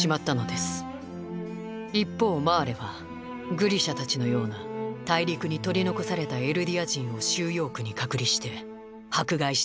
一方マーレはグリシャたちのような大陸に取り残されたエルディア人を収容区に隔離して迫害していました。